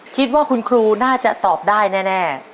คิดว่าคุณครูน่าจะตอบได้แน่